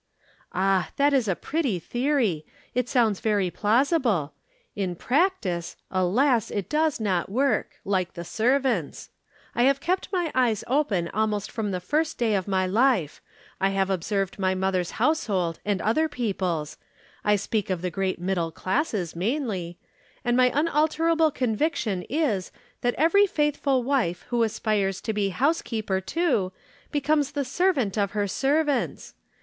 "Ah, that is a pretty theory. It sounds very plausible. In practice, alas! it does not work. Like the servants. I have kept my eyes open almost from the first day of my life. I have observed my mother's household and other people's I speak of the great middle classes, mainly and my unalterable conviction is, that every faithful wife who aspires to be housekeeper too, becomes the servant of her servants.